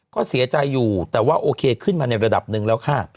ก็เสียใจอยู่แต่ว่าโอเคขึ้นมาในระดับหนึ่งแล้วค่ะ